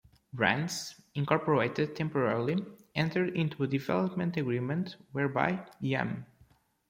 Brands, Incorporated temporarily entered into a development agreement whereby Yum!